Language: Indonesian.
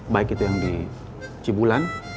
baik itu yang di cibulan